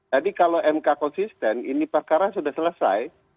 jadi kalau mk konsisten ini perkara sudah selesai